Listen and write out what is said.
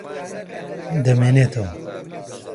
دەمێنێتەوە.